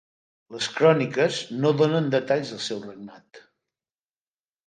Les cròniques no donen detalls del seu regnat.